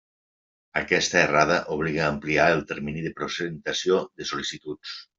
Aquesta errada obliga a ampliar el termini de presentació de sol·licituds.